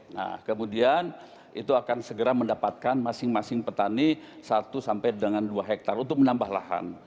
nah kemudian itu akan segera mendapatkan masing masing petani satu sampai dengan dua hektare untuk menambah lahan